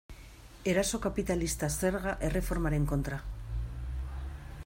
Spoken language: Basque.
Eraso kapitalista zerga erreformaren kontra.